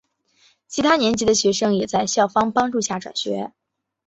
其他年级的学生也在校方帮助下转校。